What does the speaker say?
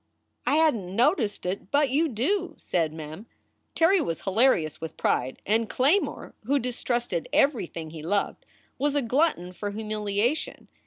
"I hadn t noticed it, but you do," said Mem. Terry was hilarious with pride, and Claymore, who distrusted every thing he loved, was a glutton for humiliation.